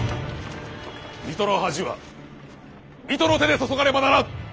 水戸の恥は水戸の手で雪がねばならん！